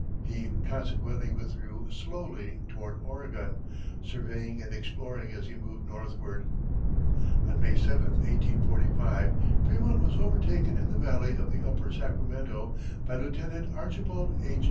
He consequently withdrew slowly toward Oregon, surveying and exploring as he moved northward. On May 7, 1845, Frémont was overtaken in the valley of the upper Sacramento by Lieutenant Archibald H.